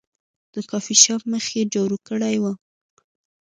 د کافي شاپ مخ یې جارو کړی و.